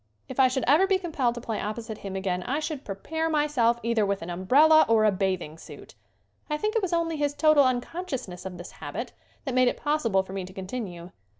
If I should ever be compelled to play opposite him again I should prepare myself either with an umbrella or a bathing suit. I think it was only his total unconsciousness of this habit that made it possible for me to con tinue.